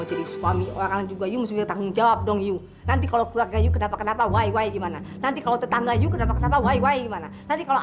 aduh aku gak punya uang sama sekali ini loh